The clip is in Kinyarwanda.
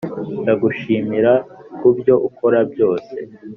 ndagushimira kubyo ukora byose,